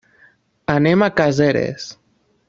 Anem a Caseres.